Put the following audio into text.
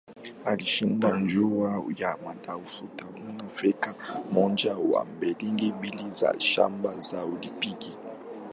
Alishinda jumla ya dhahabu tatu, fedha moja, na medali mbili za shaba za Olimpiki.